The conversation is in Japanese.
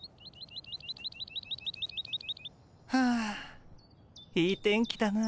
はあいい天気だな。